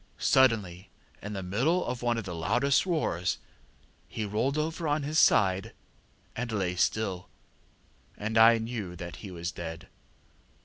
Suddenly, in the middle of one of the loudest roars, he rolled over on to his side and lay still, and I knew that he was dead.